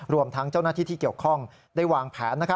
รวมทั้งเจ้าหน้าที่ที่เกี่ยวข้องได้วางแผน